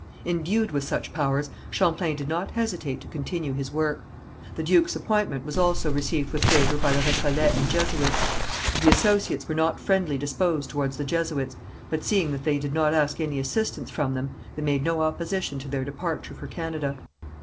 Endued with such powers, Champlain did not hesitate to continue his work. The duke's appointment was also received with favour by the Récollets and Jesuits. The associates were not friendly disposed towards the Jesuits, but seeing that they did not ask any assistance from them, they made no opposition to their departure for Canada.